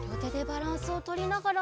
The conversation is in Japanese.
バランスをとりながら。